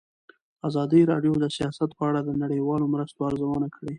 ازادي راډیو د سیاست په اړه د نړیوالو مرستو ارزونه کړې.